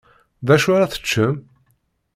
Dacu ara teččem?